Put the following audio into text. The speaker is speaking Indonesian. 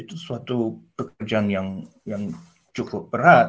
itu suatu pekerjaan yang cukup berat